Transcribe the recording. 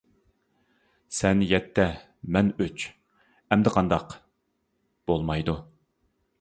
-سەن يەتتە مەن ئۈچ، ئەمدى قانداق؟ -بولمايدۇ!